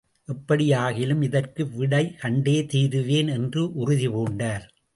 எப்படியாகிலும் இதற்கு விடை கண்டே தீருவேன் என்று உறுதி பூண்டார்.